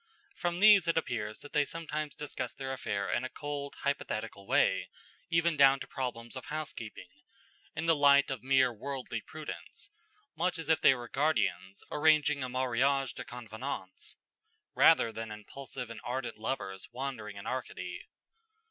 From these it appears that they sometimes discussed their affair in a cold, hypothetical way, even down to problems of housekeeping, in the light of mere worldly prudence, much as if they were guardians arranging a mariage de convenance, rather than impulsive and ardent lovers wandering in Arcady.